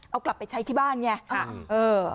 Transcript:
เอากลับไปใช้ที่บ้านไง